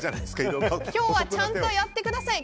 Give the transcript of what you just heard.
今日はちゃんとやってください。